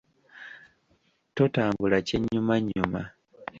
Totambula kyennyumannyuma.